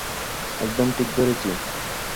একদম ঠিক ধরেছি।